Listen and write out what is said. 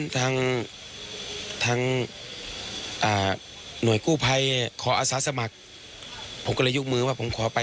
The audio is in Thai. ทางทางหน่วยกู้ภัยขออาสาสมัครผมก็เลยยกมือว่าผมขอไป